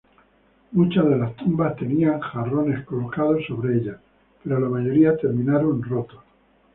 Muchas de las tumbas tenían jarrones colocados sobre ellas, pero la mayoría terminaron rotos.